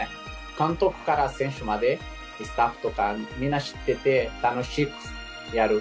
監督から選手までスタッフとかみんな知ってて楽しくやる。